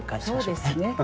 そうですね。